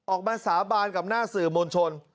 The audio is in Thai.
สาบานกับหน้าสื่อมวลชน